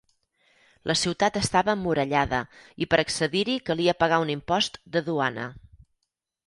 La ciutat estava emmurallada i per accedir-hi calia pagar un impost de duana.